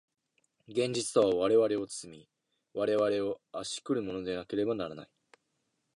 現実とは我々を包み、我々を圧し来るものでなければならない。